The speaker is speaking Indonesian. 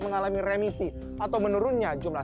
mengalami remisi atau menurunnya jumlah